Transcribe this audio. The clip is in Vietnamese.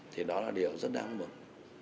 thì đó là điều rất đáng mừng